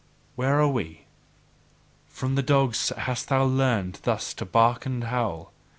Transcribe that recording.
Where are we? From the dogs hast thou learned thus to bark and howl.